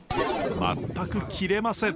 全く切れません。